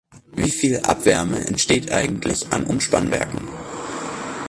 Wie viel Abwärme entsteht eigentlich an Umspannwerken?